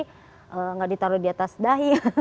tidak ditaruh di atas dahi